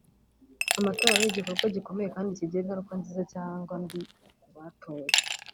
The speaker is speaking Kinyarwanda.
Amatora ni igikorwa gikomeye kandi kigira ingaruka nziza cyangwa mbi ku batoye